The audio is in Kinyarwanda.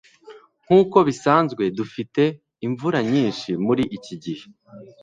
Nkuko bisanzwe, dufite imvura nyinshi mu iki gihe.